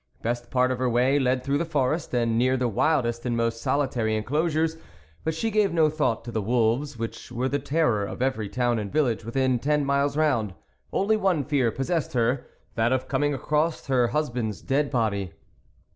Best part of her way led through the forest, and near the wildest and most solitary enclosures, but she gave no thought to the wolves, which were the terror of every town and village within ten miles round. Only one fear possessed her, that of coming across her husband's dead body.